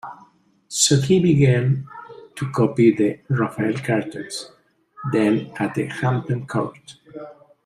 So he began to copy the Raphael Cartoons, then at Hampton Court.